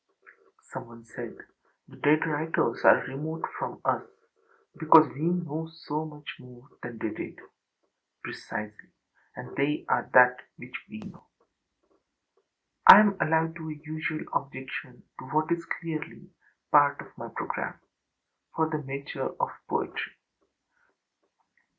Some one said: âThe dead writers are remote from us because we know so much more than they did.â Precisely, and they are that which we know. I am alive to a usual objection to what is clearly part of my programme for the métier of poetry.